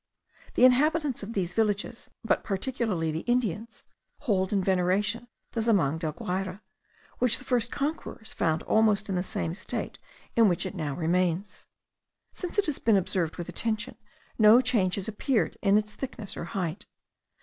The inhabitants of these villages, but particularly the Indians, hold in veneration the zamang del Guayre, which the first conquerors found almost in the same state in which it now remains. Since it has been observed with attention, no change has appeared in its thickness or height.